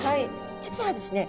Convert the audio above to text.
実はですね